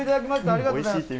ありがとうございます。